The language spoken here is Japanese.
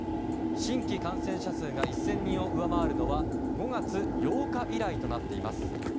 新規感染者数が１０００人を上回るのは５月８日以来となっています。